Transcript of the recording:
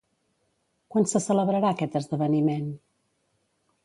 Quan se celebrarà aquest esdeveniment?